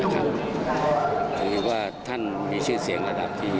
ผมคิดว่าท่านมีชื่อเสียงระดับที่๒